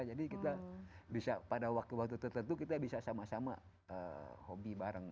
jadi kita bisa pada waktu waktu tertentu kita bisa sama sama hobi bareng